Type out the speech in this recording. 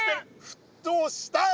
沸騰したよ！